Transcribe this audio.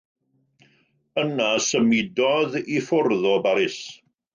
Yna symudodd i ffwrdd o Baris.